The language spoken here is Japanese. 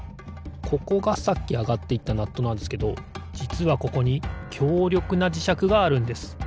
ここがさっきあがっていったナットなんですけどじつはここにきょうりょくなじしゃくがあるんです。